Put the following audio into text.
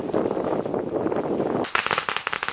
ที่ลูกได้พูดไว